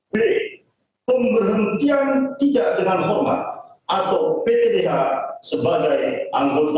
b pemberhentian tidak dengan hormat atau ptdh sebagai anggota